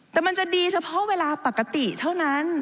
แต่มันจะดีเฉพาะเวลาปกติเท่านั้น